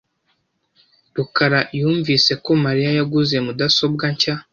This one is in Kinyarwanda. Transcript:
rukara yumvise ko Mariya yaguze mudasobwa nshya .